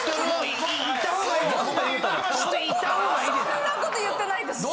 そんなこと言ってないです。